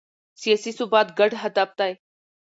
سیاسي ثبات ګډ هدف دی